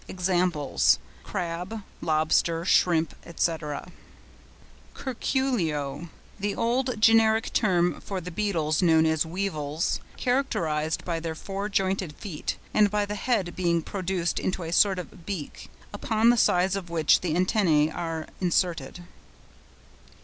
(Examples, Crab, Lobster, Shrimp, &c.) CURCULIO.—The old generic term for the Beetles known as Weevils, characterised by their four jointed feet, and by the head being produced into a sort of beak, upon the sides of which the antennæ are inserted.